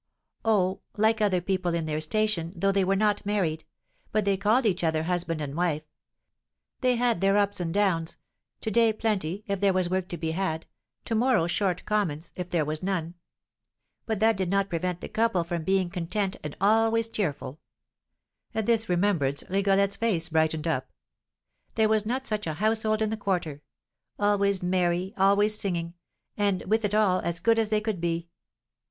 "Oh, like other people in their station, though they were not married; but they called each other husband and wife. They had their ups and downs; to day plenty, if there was work to be had; to morrow short commons, if there was none; but that did not prevent the couple from being content and always cheerful;" at this remembrance Rigolette's face brightened up. "There was not such a household in the quarter, always merry, always singing, and, with it all, as good as they could be.